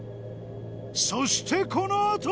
そしてこのあと！